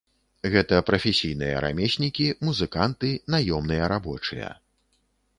Гэта прафесійныя рамеснікі, музыканты, наёмныя рабочыя.